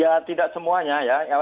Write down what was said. ya tidak semuanya ya